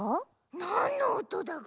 なんのおとだぐ？